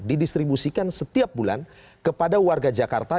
didistribusikan setiap bulan kepada warga jakarta